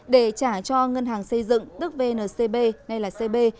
để trả cho ngân hàng xây dựng tức vncb nay là cb